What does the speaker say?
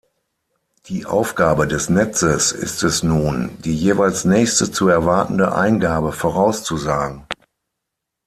Die Aufgabe des Netzes ist es nun, die jeweils nächste zu erwartende Eingabe vorauszusagen.